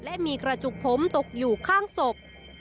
และมีกระจุกผมตกอยู่ข้างศพ